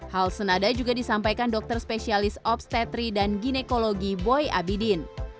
hal senada juga disampaikan dokter spesialis obstetri dan ginekologi boy abidin